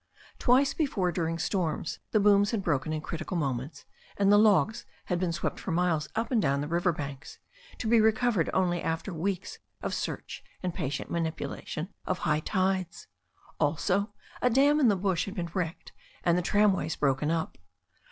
Twice before, during storms, the booms had broken in critical moments, and the logs had been swept for miles up and down the river banks, to be recovered only after weeks of search and the patient manipulation of high tides. Also, a dam in the bush had been wrecked, and the tram ways broken up.